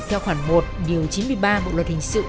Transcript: theo khoản một điều chín mươi ba bộ luật hình sự